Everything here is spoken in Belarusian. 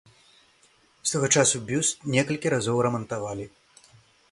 З таго часу бюст некалькі разоў рамантавалі.